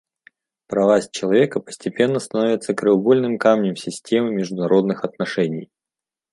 Права человека постепенно становятся краеугольным камнем системы международных отношений.